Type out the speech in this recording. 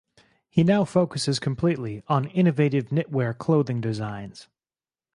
He now focuses completely on innovative knitwear clothing designs.